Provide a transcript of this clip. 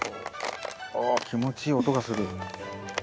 ああ気持ちいい音がする。